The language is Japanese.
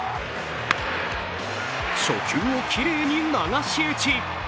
初球をきれいに流し打ち。